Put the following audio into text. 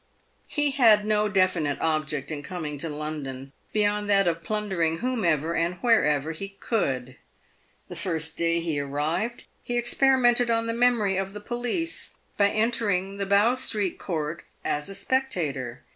He had no definite object in coming to London beyond that of plun dering whomever and wherever he could. The first day he arrived, he experimented on the memory of the police, by entering the Bow street Court as a spectator.